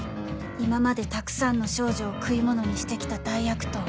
今までたくさんの少女を食い物にして来た大悪党